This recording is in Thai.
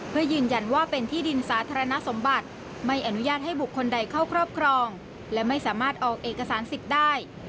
เพื่อยืนยันว่าเป็นที่ดินสาธารณสมบัติไม่อนุญาตให้บุคคลใดเข้าครอบครองและไม่สามารถออกเอกสารสิทธิ์ได้